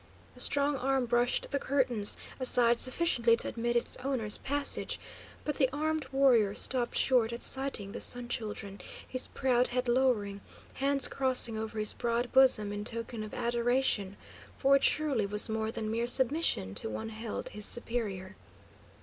A strong arm brushed the curtains aside sufficiently to admit its owner's passage, but the armed warrior stopped short at sighting the Sun Children, his proud head lowering, hands crossing over his broad bosom in token of adoration, for it surely was more than mere submission to one held his superior.